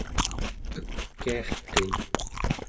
ekiarqin